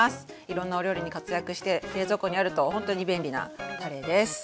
いろんなお料理に活躍して冷蔵庫にあるとほんとに便利なたれです。